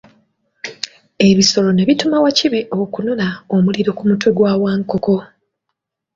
Ebisolo ne bituma Wakibe okunona omuliro ku mutwe gwa Wankoko.